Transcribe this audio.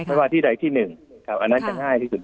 ไม่ว่าที่ใดที่หนึ่งอันนั้นจะง่ายที่สุด